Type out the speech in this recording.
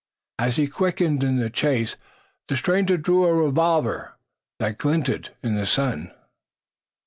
As he quickened in the chase this stranger drew a revolver that glinted in the sun.